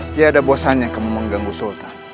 tidak ada bosannya kamu mengganggu sultan